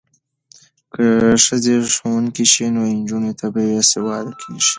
که ښځې ښوونکې شي نو نجونې نه بې سواده کیږي.